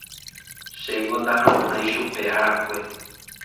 Chéngo ndahamo'ãi chupe arakue.